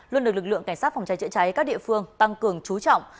luôn được lực lượng cảnh sát phòng cháy chữa cháy các địa phương tăng cường trú trọng